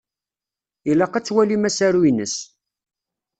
Ilaq ad twalim asaru-ines.